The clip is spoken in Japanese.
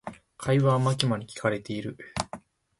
会話はマキマに聞かれている。